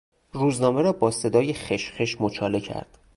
روزنامه را با صدای خشخش مچاله کرد.